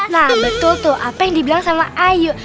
nah betul tuh apa yang dibilang sama ayu